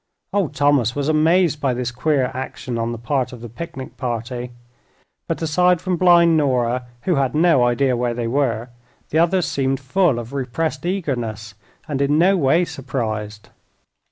Old Thomas was amazed by this queer action on the part of the picnic party, but aside from blind Nora, who had no idea where they were, the others seemed full of repressed eagerness, and in no way surprised.